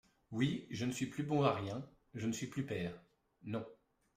Oui, je ne suis plus bon à rien, je ne suis plus père ! non.